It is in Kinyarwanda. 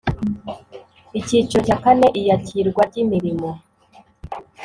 Icyiciro cya kane Iyakirwa ry imirimo